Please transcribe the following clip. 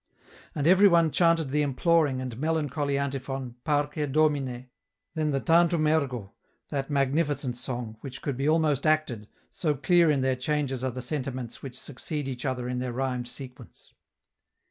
And everyone chanted the imploring and melancholy antiphon " Parce Domine," then the " Tantum Ergo," that magnificent song, which could be almost acted, so clear in their changes are the sentiments which succeed each other in their rhymed sequence.